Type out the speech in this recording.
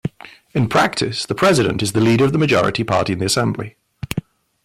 In practice, the president is the leader of the majority party in the Assembly.